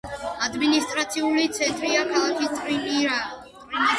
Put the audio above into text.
ადმინისტრაციული ცენტრია ქალაქი ტრინიდადი.